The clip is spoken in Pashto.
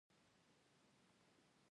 د منل شویو لغتونو بدلول اړین نه دي.